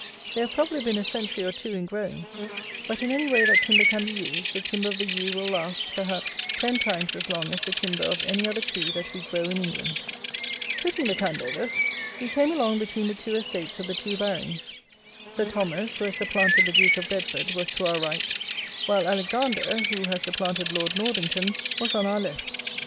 They have probably been a century or two in growing; but, in any way that timber can be used, the timber of the yew will last, perhaps, ten times as long as the timber of any other tree that we grow in England. Quitting the Candovers, we came along between the two estates of the two Barings. Sir Thomas, who has supplanted the Duke of Bedford, was to our right, while Alexander, who has supplanted Lord Northington, was on our left.